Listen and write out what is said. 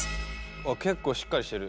あっ結構しっかりしてる。